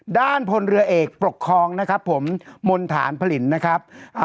ด้านพลเรือเอกปกครองนะครับผมมณฐานผลิตนะครับ